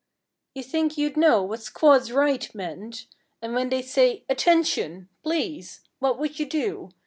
You think you'd know what "squads right" meant? And when they'd say "Attention!" Please What would you do?